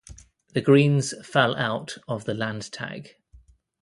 The Greens fell out of the Landtag.